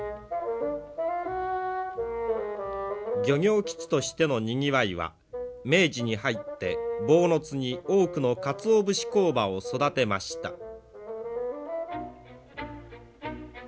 漁業基地としてのにぎわいは明治に入って坊津に多くのかつお節工場を育てました。